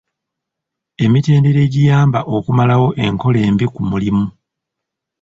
Emitendera egiyamba okumalawo enkola embi ku mulimu.